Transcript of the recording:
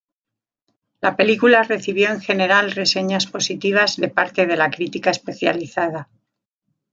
La película recibió en general reseñas positivas de parte de la crítica especializada.